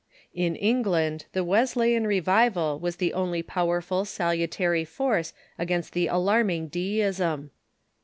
In England the Wesleyan revival was the only powerful salutary force against the alarm ing Deism.